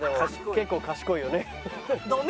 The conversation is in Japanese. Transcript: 結構賢いよね。